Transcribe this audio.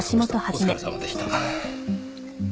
お疲れさまでした。